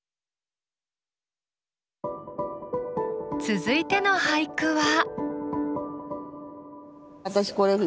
続いての俳句は？